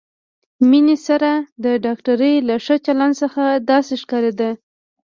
مينې سره د ډاکټرې له ښه چلند څخه داسې ښکارېده.